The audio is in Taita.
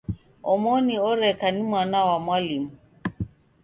Omoni oreka ni mwana wa mwalimu.